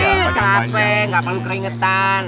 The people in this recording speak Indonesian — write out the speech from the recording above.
iya capek nggak perlu keringetan